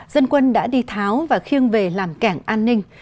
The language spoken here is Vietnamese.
dân quân đã đi tháo và khiêng về làm kẻng an ninh